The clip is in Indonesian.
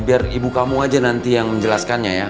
biar ibu kamu aja nanti yang menjelaskannya ya